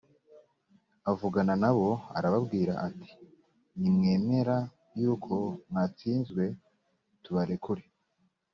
avugana na bo arababwira ati : nimwemera yuko mwatsizwe tubarekure